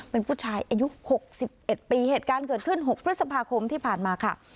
เป็นผู้ชายอายุ๖๑ปีเหตุการณ์เกิดขึ้น๖พฤษภาคมที่ผ่านมาค่ะ